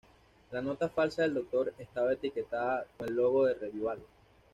La nota falsa del doctor estaba etiquetada con el logo de Revival.